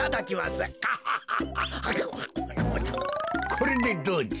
これでどうじゃ。